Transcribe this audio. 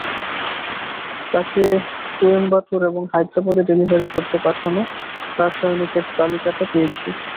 তাকে কোয়েম্বাটুর এবং হায়দ্রাবাদে ডেলিভারি করতে পাঠানো রাসায়নিকের তালিকাটা পেয়েছি।